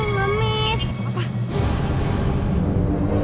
disuruh ibu barkang ngemis